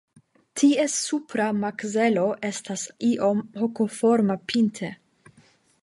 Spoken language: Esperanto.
Ties supra makzelo estas iom hokoforma pinte.